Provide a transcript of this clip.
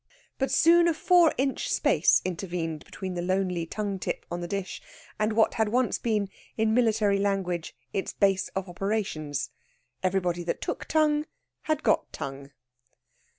But soon a four inch space intervened between the lonely tongue tip on the dish and what had once been, in military language, its base of operations. Everybody that took tongue had got tongue.